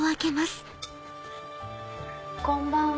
こんばんは。